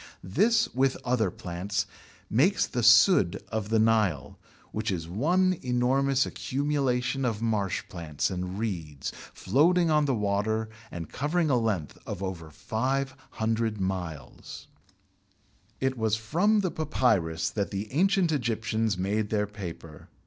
This, with other plants, makes the "sudd" of the Nile, which is one enormous accumulation of marsh plants and reeds floating on the water and covering a length of over 500 miles. It was from the Papyrus that the ancient Egyptians made their paper.